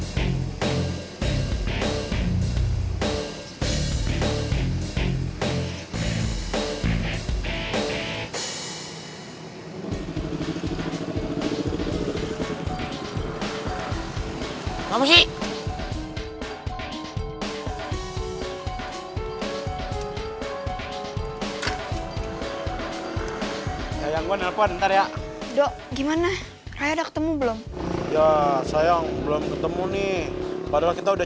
sayang gua nelfon entar ya dok gimana raya ketemu belum ya sayang belum ketemu nih padahal kita udah